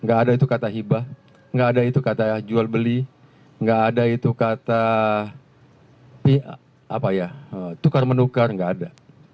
enggak ada itu kata hibah enggak ada itu kata jual beli enggak ada itu kata tukar menukar enggak ada